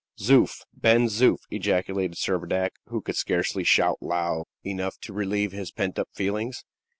"Zoof! Ben Zoof!" ejaculated Servadac, who could scarcely shout loud enough to relieve his pent up feelings.